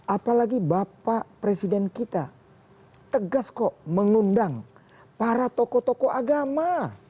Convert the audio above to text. apalagi bapak presiden kita tegas kok mengundang para tokoh tokoh agama